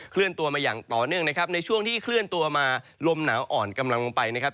เลื่อนตัวมาอย่างต่อเนื่องนะครับในช่วงที่เคลื่อนตัวมาลมหนาวอ่อนกำลังลงไปนะครับ